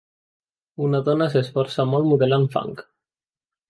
Una dona s'esforça molt modelant fang